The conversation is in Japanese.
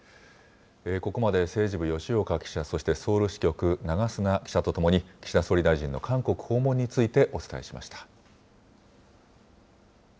ここまで政治部、吉岡記者、そしてソウル支局、長砂記者と共に岸田総理大臣の韓国訪問についてお伝えしました。